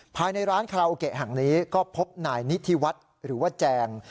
ภายในร้านคาราโอเกะแห่งนี้ก็พบนายนิธิวัฒน์หรือว่าแจง